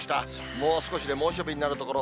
もう少しで猛暑日になるところ。